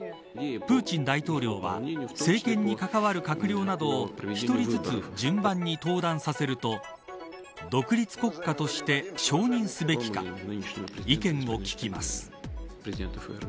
プーチン大統領は政権に関わる閣僚などを１人ずつ順番に登壇させると独立国家として承認すべきか意見を聞きます。